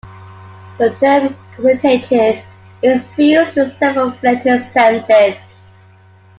The term "commutative" is used in several related senses.